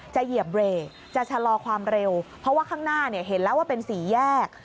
เหยียบเบรกจะชะลอความเร็วเพราะว่าข้างหน้าเห็นแล้วว่าเป็นสี่แยก